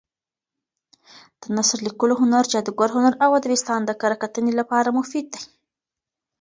د نثر لیکلو هنر، جادګر هنر او ادبستان د کره کتنې لپاره مفید دي.